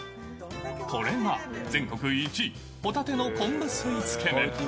これが全国１位、ほたての昆布水つけ麺。